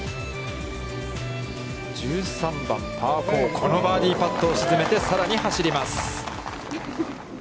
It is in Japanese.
１３番パー４、このバーディーパットを沈めて、さらに走ります。